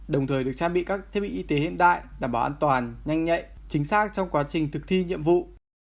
đồng thời được trang bị các thiết bị y tế hiện đại đảm bảo an toàn nhanh nhạy chính xác trong quá trình thực thi nhiệm vụ